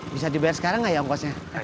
bisa dibayar sekarang gak ya angkosnya